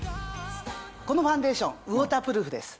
このファンデーションウォータープルーフです。